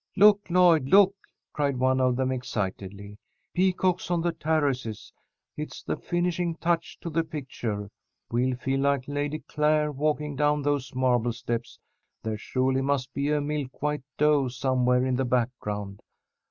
"Look, Lloyd, look!" cried one of them, excitedly. "Peacocks on the terraces! It's the finishing touch to the picture. We'll feel like Lady Clare walking down those marble steps. There surely must be a milk white doe somewhere in the background."